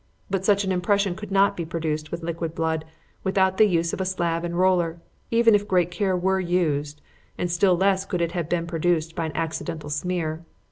But such an impression could not be produced with liquid blood without the use of a slab and roller, even if great care were used, and still less could it have been produced by an accidental smear.